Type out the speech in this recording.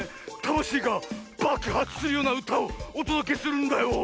たましいがばくはつするようなうたをおとどけするんだよ。